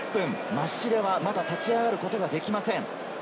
マシレワ、まだ立ち上がることができません。